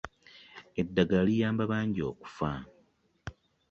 Eddagala liyamba bangi okuffa.